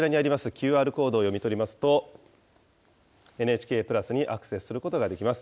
ＱＲコードを読み取りますと、ＮＨＫプラスにアクセスすることができます。